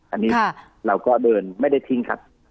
อันนี้เราก็เดินไม่ได้ทิ้งครับ